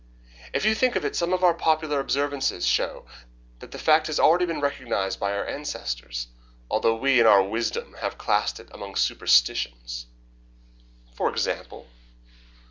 If you think of it, some of our popular observances show that the fact has already been recognized by our ancestors, although we, in our wisdom, have classed it among superstitions." "For example?"